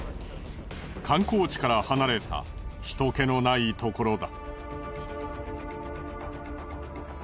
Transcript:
観光地から離れた人けのないところだ。